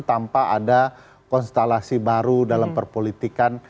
tanpa ada konstelasi baru dalam perpolitikan